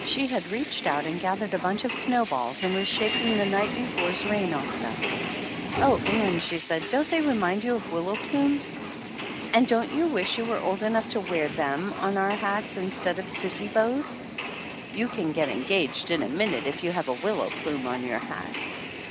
She had reached out .and gathered a bunch of snowballs and was shaking the night before's rain off them. "Oh, Ann," she said, "don't they remind you of willow plumes? And don't you wish we were 226 THE ANNALS OF ANN old enough to wear them on our hats instead of sissy bows? You can get engaged in a minute if you have a willow plume on your hat